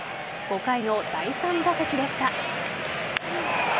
５回の第３打席でした。